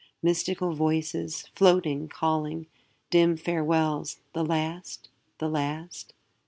Mystical voices, floating, calling; Dim farewells the last, the last?